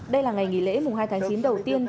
đây là ngày nghỉ lễ mùng hai tháng chín đầu tiên